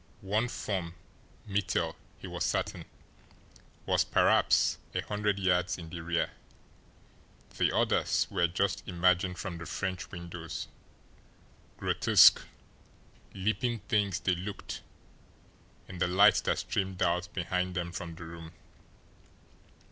One form Mittel, he was certain was perhaps a hundred yards in the rear. The others were just emerging from the French windows grotesque, leaping things they looked, in the light that streamed out behind them from the room.